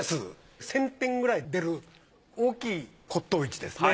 １，０００点くらい出る大きい骨董市ですね。